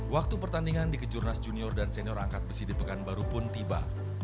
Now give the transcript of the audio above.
waktu pertandingan di kejurnas junior dan senior angkat besi di pekanbaru pun tiba